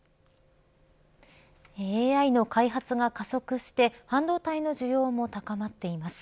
ＡＩの開発が加速して半導体の需要も高まっています。